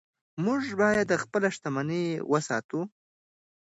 موږ باید خپله شتمني وساتو.